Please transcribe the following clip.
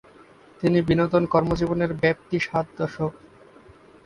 তিনি বিনোদন কর্মজীবনের ব্যপ্তি সাত দশক।